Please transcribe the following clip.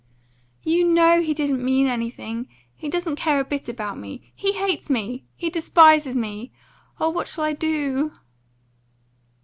"You KNOW he didn't mean anything. He doesn't care a bit about me. He hates me! He despises me! Oh, what shall I do?"